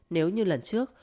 nếu như lần trước